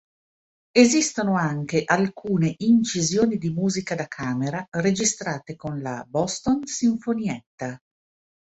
Esistono anche alcune incisioni di musica da camera registrate con la "Boston Sinfonietta".